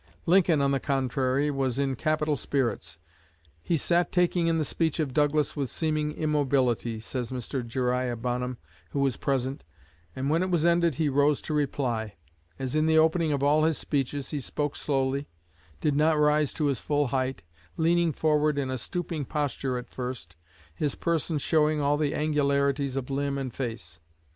Lincoln, on the contrary, was in capital spirits. "He sat taking in the speech of Douglas with seeming immobility," says Mr. Jeriah Bonham, who was present, "and when it was ended, he rose to reply. As in the opening of all his speeches, he spoke slowly, did not rise to his full height, leaning forward in a stooping posture at first, his person showing all the angularities of limb and face.